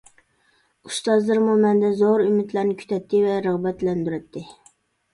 ئۇستازلىرىممۇ مەندىن زور ئۈمىدلەرنى كۈتەتتى ۋە رىغبەتلەندۈرەتتى.